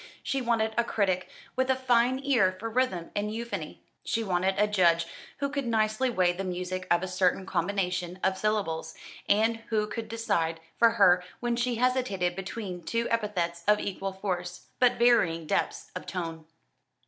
She wanted a critic with a fine ear for rhythm and euphony. She wanted a judge who could nicely weigh the music of a certain combination of syllables, and who could decide for her when she hesitated between two epithets of equal force, but varying depths of tone.